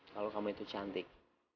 kalau kamu itu cantik